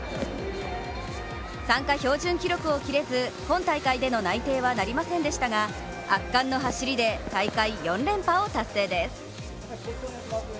参加標準記録を切れず、今大会での内定はなりませんでしたが圧巻の走りで大会４連覇を達成です。